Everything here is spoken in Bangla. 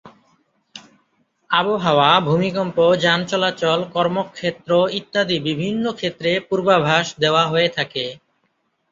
আবহাওয়া, ভূমিকম্প, যান চলাচল, কর্মক্ষেত্র ইত্যাদি বিভিন্ন ক্ষেত্রে পূর্বাভাস দেওয়া হয়ে থাকে।